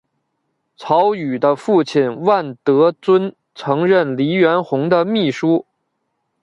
曹禺的父亲万德尊曾任黎元洪的秘书。